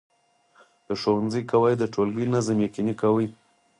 د ښوونځي قواعد د ټولګي نظم یقیني کاوه.